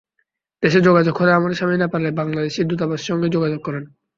দেশে যোগাযোগ হলে আমার স্বামী নেপালে বাংলাদেশি দূতাবাসের সঙ্গে যোগাযোগ করেন।